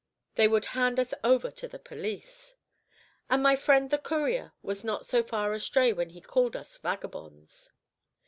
They would hand us over to the police! And my friend the courier was not so far astray when he called us vagabonds!